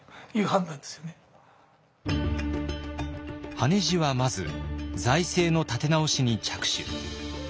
羽地はまず財政の立て直しに着手。